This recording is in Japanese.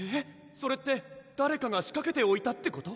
それって誰かが仕掛けておいたってこと？